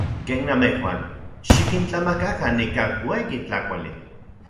Ken namejuan, xikintlamakakan ika ueyi tlakauali.